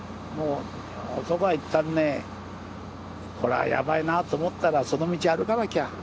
もう男はいったんねこれはやばいなと思ったらその道を歩かなきゃ。